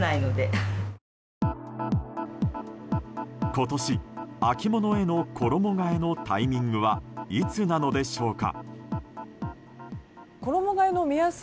今年、秋物への衣替えのタイミングはいつなのでしょうか。